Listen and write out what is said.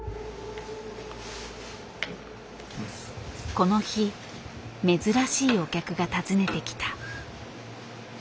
この日珍しいお客が訪ねてきた。